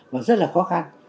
và rất là khó khăn